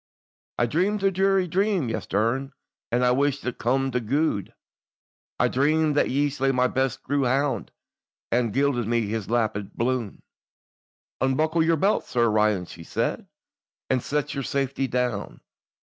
"I dreamed a drearie dream yestreen, And I wish it may cum to gude: I dreamed that ye slew my best grew hound, And gied me his lappered blude." "Unbuckle your belt, Sir Roland," she said, And set you safely down."